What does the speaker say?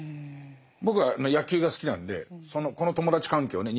僕は野球が好きなんでこの友達関係をね